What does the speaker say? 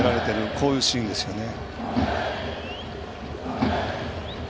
こういうシーンですよね。